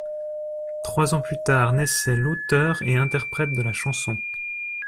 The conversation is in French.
Trois ans plus tard naissait l’auteur et interprète de la chanson.